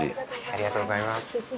ありがとうございます。